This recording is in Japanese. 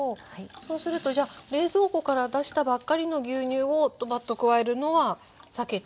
そうするとじゃあ冷蔵庫から出したばっかりの牛乳をドバッと加えるのは避けて。